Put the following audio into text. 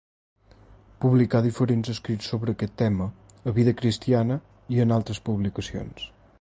Publicà diferents escrits sobre aquest tema a Vida Cristiana i en altres publicacions.